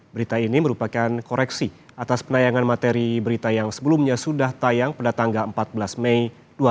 berita ini merupakan koreksi atas penayangan materi berita yang sebelumnya sudah tayang pada tanggal empat belas mei dua ribu dua puluh